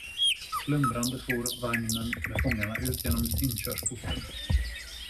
Slamrande for vagnen med fångarna ut genom inkörsporten.